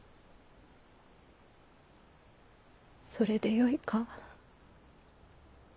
それでよいか？